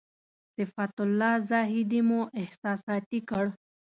صفت الله زاهدي مو احساساتي کړ.